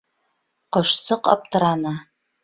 Ҡошсоҡ аптыраны.